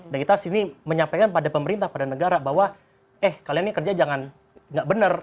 dan kita sini menyampaikan pada pemerintah pada negara bahwa eh kalian ini kerja jangan nggak benar